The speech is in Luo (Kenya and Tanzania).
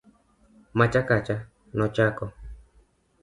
macha kacha, nochako